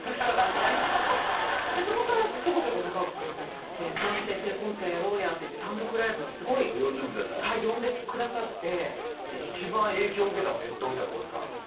みたいなそこからちょこちょこ仲良くさせてもらって「直美ちゃん一緒にコントやろうや」って言って単独ライブをすごい呼んでくれたんやはい呼んでくださって一番影響受けたのってどういったとこですか？